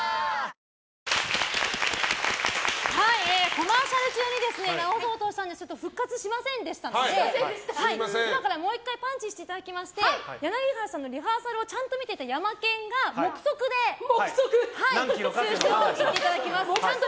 コマーシャル中に直そうとしたんですが復活しませんでしたので今からもう１回パンチしていただきまして柳原さんのリハーサルをちゃんと見ていたヤマケンが目測で数字を言っていただきます。